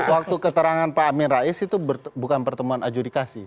waktu keterangan pak amin rais itu bukan pertemuan adjudikasi